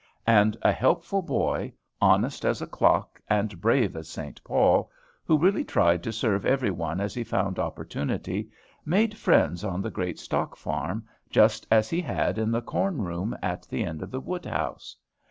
And a helpful boy, honest as a clock and brave as St. Paul, who really tried to serve every one as he found opportunity, made friends on the great stock farm just as he had in the corn room at the end of the wood house.